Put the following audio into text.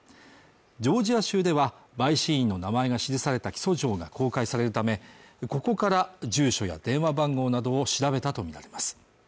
ジョージア州では陪審員の名前が記された起訴状が公開されるためここから住所や電話番号などを調べたとみられます